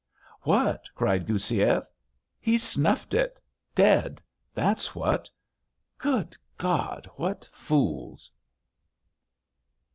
"What!" cried Goussiev. "He's snuffed it, dead. That's what! Good God, what fools!..."